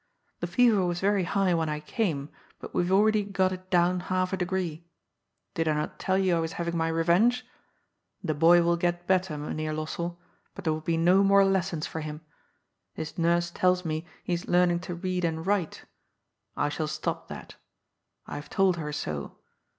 The fever was very high when I came, but we have already got it down half a degree. Did I not tell you I was having my revenge? The boy will get better. Mynheer Lossell, but there will be no more lessons for him. His nurse tells me he is learning to read and write. I shall stop that. I have told her so.